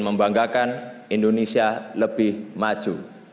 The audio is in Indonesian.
membanggakan indonesia lebih maju